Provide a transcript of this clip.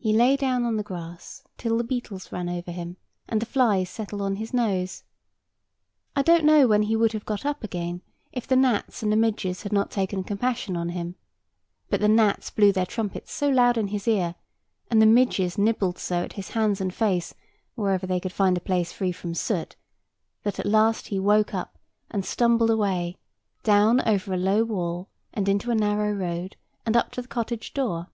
He lay down on the grass till the beetles ran over him, and the flies settled on his nose. I don't know when he would have got up again, if the gnats and the midges had not taken compassion on him. But the gnats blew their trumpets so loud in his ear, and the midges nibbled so at his hands and face wherever they could find a place free from soot, that at last he woke up, and stumbled away, down over a low wall, and into a narrow road, and up to the cottage door.